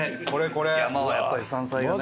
山はやっぱり山菜だね。